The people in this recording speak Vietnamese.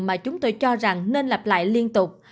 mà chúng tôi cho rằng nên lặp lại liên tục